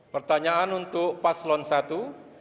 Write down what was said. pertanyaan untuk paslon i